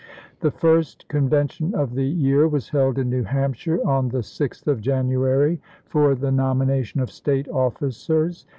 The first convention of the year was held in New Hampshire on the 6th of January — for the nomination of State officers.